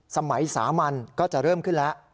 สมัยสามัญก็จะเริ่มขึ้นแล้ว